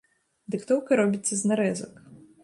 Дыктоўка робіцца з нарэзак.